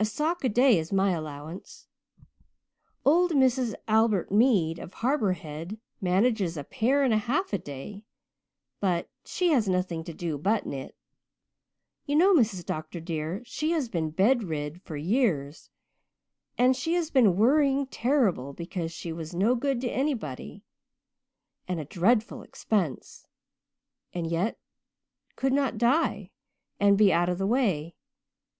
A sock a day is my allowance. Old Mrs. Albert Mead of Harbour Head manages a pair and a half a day but she has nothing to do but knit. You know, Mrs. Dr. dear, she has been bed rid for years and she has been worrying terrible because she was no good to anybody and a dreadful expense, and yet could not die and be out of the way.